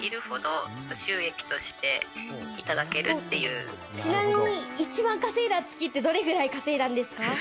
私の事をちなみに一番稼いだ月ってどれぐらい稼いだんですか？